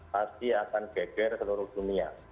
pasti akan geger seluruh dunia